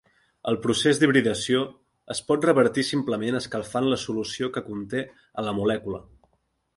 El procés d'hibridació es pot revertir simplement escalfant la solució que conté a la molècula.